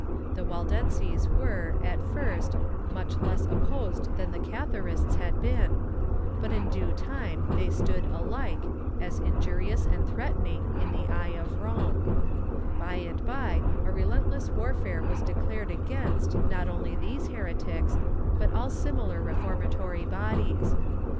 The Waldenses were, at first, much less opposed than the Catharists had been, but in due time they stood alike, as injurious and threatening, in the eye of Rome, By and by a relentless warfare was declared against, not only these heretics, but all similar reformatory bodies.